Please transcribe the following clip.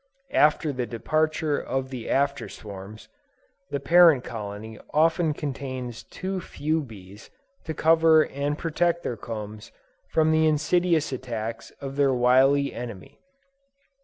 After the departure of the after swarms, the parent colony often contains too few bees to cover and protect their combs from the insidious attacks of their wily enemy.